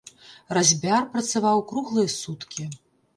Разьбяр працаваў круглыя суткі.